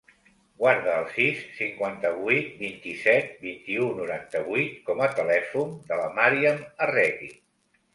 Guarda el sis, cinquanta-vuit, vint-i-set, vint-i-u, noranta-vuit com a telèfon de la Màriam Arregui.